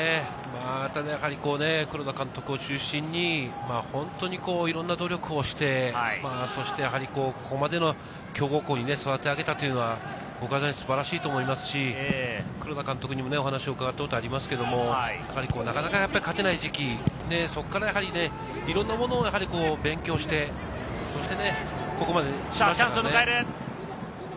ただ黒田監督を中心にいろんな努力をして、ここまでの強豪校に育て上げたというのは、僕は素晴らしいと思いますし、黒田監督にもお話を伺ったことがありますが、なかなか勝てない時期、そこからいろんなものを勉強して、ここまできましたからね。